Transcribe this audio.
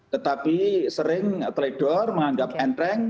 tetapi sering teledor menganggap enteng